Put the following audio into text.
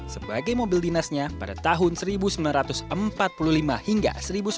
sebagai mobil dinasnya pada tahun seribu sembilan ratus empat puluh lima hingga seribu sembilan ratus sembilan puluh